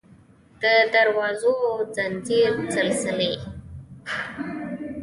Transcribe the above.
د دروازو او د ځنځیر سلسلې